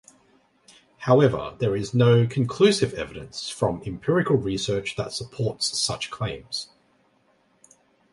However, there is no conclusive evidence from empirical research that supports such claims.